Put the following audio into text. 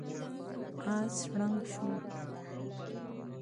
آس ړنګ شو.